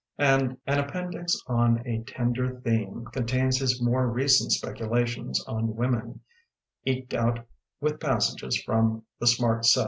"An Appendix on a Tender Theme" contains his more re cent speculations on women, eked out with passages from "The Smart Set".